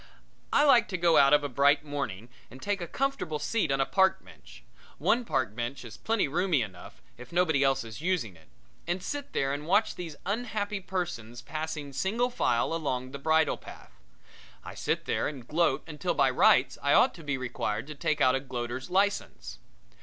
I like to go out of a bright morning and take a comfortable seat on a park bench one park bench is plenty roomy enough if nobody else is using it and sit there and watch these unhappy persons passing single file along the bridle path. I sit there and gloat until by rights I ought to be required to take out a gloater's license.